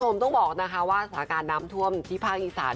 คุณสมมติสหการน้ำท่วมที่ภาคอีสาน